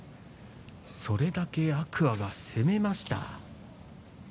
それだけ天空海が攻めました。